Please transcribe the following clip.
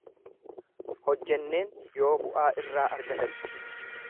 Hojjenneen yoo bu'aa irraa argatani.